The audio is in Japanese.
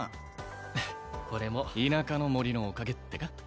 フッこれも田舎の森のおかげってか？